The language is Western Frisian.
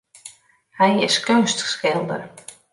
Hy is keunstskilder.